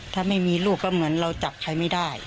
ถ้าไม่มีลูกก็เหมือนเราจับใครไม่ได้